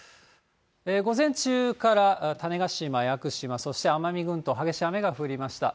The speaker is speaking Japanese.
午前中から種子島、屋久島、そして奄美群島、激しい雨が降りました。